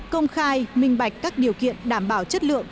công khai minh bạch các điều kiện đảm bảo chất lượng